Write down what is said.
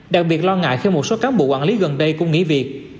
đặc biệt lo ngại khi một số cán bộ quản lý gần đây cũng nghỉ việc